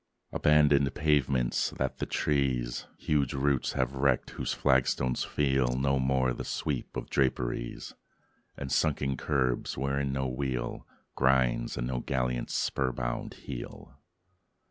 Abandoned pavements, that the trees' Huge roots have wrecked; whose flagstones feel No more the sweep of draperies; And sunken curbs, whereon no wheel Grinds, and no gallant's spur bound heel.